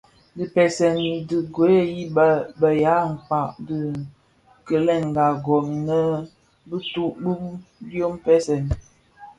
Dhipèseèn ti gwed i be ya mpkag di kilenga gom imë bituu bum dyoň npèsèn.